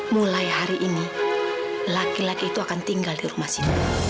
mulai hari ini laki laki itu akan tinggal di rumah sini